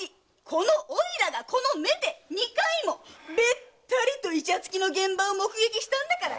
このおいらがこの目で二回もベッタリとイチャつきの現場を目撃したんだから。